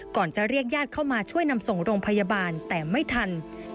ก่อนจะเรียกญาติเข้ามาช่วยนำส่งโรงพยาบาลแต่ไม่ทัน